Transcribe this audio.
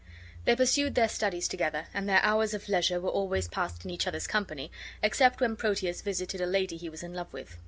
They pursued their studies together, and their hours of leisure were always passed in each other's company, except when Proteus visited a lady he was in love with.